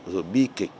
rồi bi kịch